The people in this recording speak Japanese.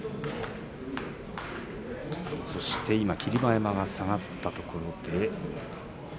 そして霧馬山が下がったところ。